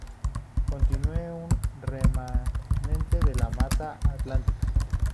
Contiene un remanente de la mata atlántica.